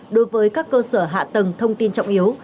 đối với các cơ sở hạ tầng thông tin trọng yếu